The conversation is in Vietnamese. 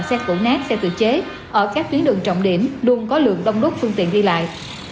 xe cổ nát xe tự chế ở các tuyến đường trọng điểm luôn có lượng đông đúc phương tiện đi lại